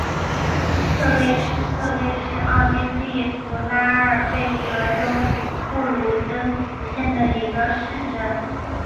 克勒施特勒是奥地利福拉尔贝格州布卢登茨县的一个市镇。